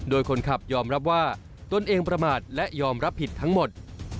โดยคนขับยอมรับว่าตนเองประมาทและยอมรับผิดทั้งหมด